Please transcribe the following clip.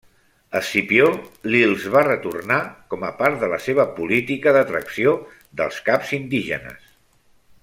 Escipió li'ls va retornar, com a part de la seva política d'atracció dels caps indígenes.